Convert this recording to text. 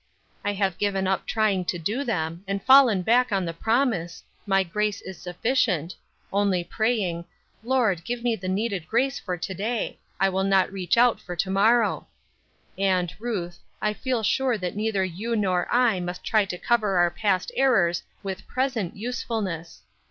I have given up trying to do them, and fallen back on the promise, 'My grace is sufficient,' only praying, 'Lord, give me the needed grace for to day; I will not reach out for to morrow.' And, Ruth, I feel sure that neither you nor I must try to cover our past errors with present usefulness.